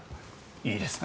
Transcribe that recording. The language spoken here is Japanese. いいですね。